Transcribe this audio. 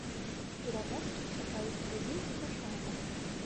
Пераможцу чакаюць прызы і пашана.